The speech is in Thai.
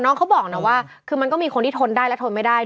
เขาบอกนะว่าคือมันก็มีคนที่ทนได้และทนไม่ได้